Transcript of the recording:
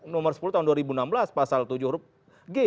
nomor sepuluh tahun dua ribu enam belas pasal tujuh huruf g